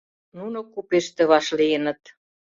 Нуно купеште вашлийыныт.